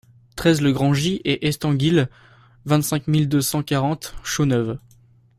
treize le Grand Git et Estanguill, vingt-cinq mille deux cent quarante Chaux-Neuve